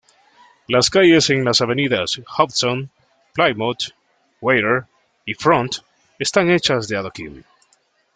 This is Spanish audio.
Las calles en la avenidas Hudson, Plymouth, Water y Front están hechas de adoquín.